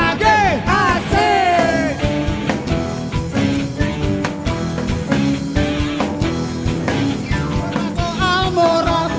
aku senang aku menang